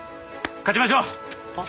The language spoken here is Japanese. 勝ちましょう！